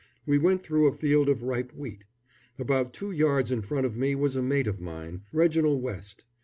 We went through a field of ripe wheat. About two yards in front of me was a mate of mine, Reginald West.